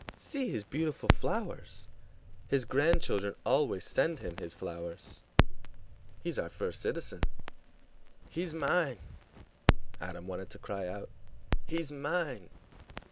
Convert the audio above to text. "See his beautiful flowers! His grandchildren always send him his flowers." "He's our first citizen." "He's mine!" Adam wanted to cry out. "He's mine!"